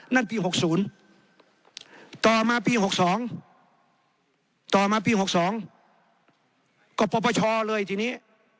นั่นปี๖๐ต่อมาปี๖๒ก็ปฎชเลยทีนี้